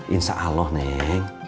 insya allah neng